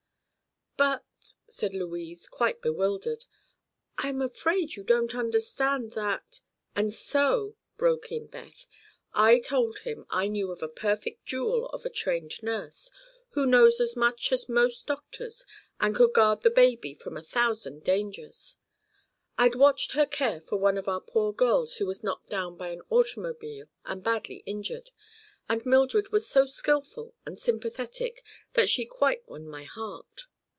"But," said Louise, quite bewildered, "I'm afraid you don't understand that—" "And so," broke in Beth, "I told him I knew of a perfect jewel of a trained nurse, who knows as much as most doctors and could guard the baby from a thousand dangers. I'd watched her care for one of our poor girls who was knocked down by an automobile and badly injured, and Mildred was so skillful and sympathetic that she quite won my heart.